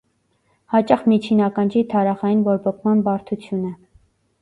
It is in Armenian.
Հաճախ միջին՝ ականջի թարախային բորբոքման բարդություն է։